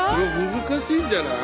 難しいんじゃない？